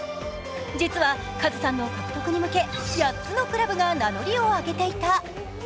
実はカズさんの獲得に向け８つのクラブが名乗りをあげていた。